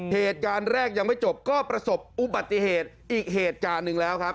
เหตุการณ์แรกยังไม่จบก็ประสบอุบัติเหตุอีกเหตุการณ์หนึ่งแล้วครับ